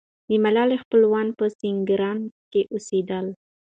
د ملالۍ خپلوان په سینګران کې اوسېدل.